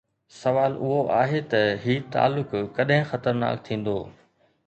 سوال اهو آهي ته هي تعلق ڪڏهن خطرناڪ ٿيندو؟